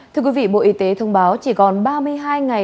thưa quý vị bộ y tế thông báo chỉ còn ba mươi hai ngày